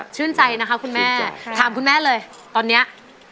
ชื่นใจนะคะคุณแม่ถามคุณแม่เลยตอนนี้